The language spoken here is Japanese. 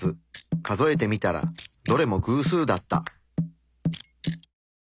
数えてみたらどれも偶数だった。